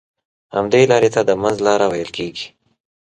همدې لارې ته د منځ لاره ويل کېږي.